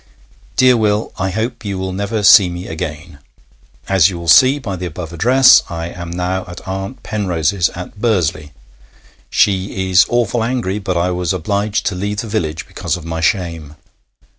Dear Will, I hope you will never see me again. As you will see by the above address, I am now at Aunt Penrose's at Bursley. She is awful angry, but I was obliged to leave the village because of my shame.